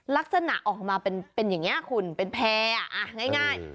ลักษณะออกมาเป็นอย่างนี้คุณเป็นแพร่ง่าย